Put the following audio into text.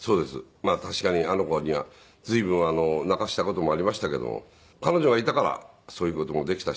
まあ確かにあの子には随分泣かせた事もありましたけども彼女がいたからそういう事もできたし。